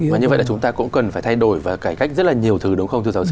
và như vậy là chúng ta cũng cần phải thay đổi và cải cách rất là nhiều thứ đúng không thưa giáo sư